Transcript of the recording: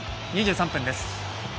２３分です。